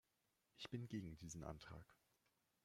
Ich bin gegen diesen Antrag.